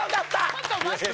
ちょっと待って。